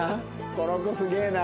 この子すげえな。